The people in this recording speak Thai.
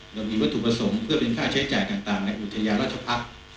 หรือว่าถูกผสมเพื่อเป็นค่าใช้จ่ายต่างในอุทยาราชภัทร์